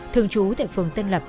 thường trú tại phường tân lập